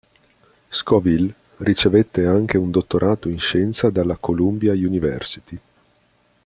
Scoville ricevette anche un dottorato in Scienza dalla Columbia University.